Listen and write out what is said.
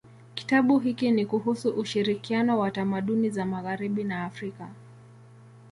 Kitabu hiki ni kuhusu ushirikiano wa tamaduni za magharibi na Afrika.